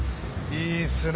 いいですね